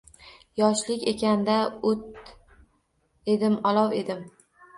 Yoshlik ekan-da, o‘t edim, olov edim